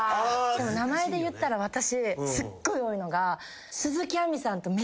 名前でいったら私すっごい多いのが。